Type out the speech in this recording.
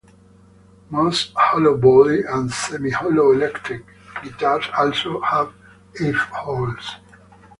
Most hollowbody and semi-hollow electric guitars also have F-holes.